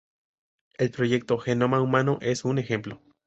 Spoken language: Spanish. El Proyecto Genoma Humano es un ejemplo.